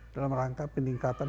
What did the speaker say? dalam rangka peningkatan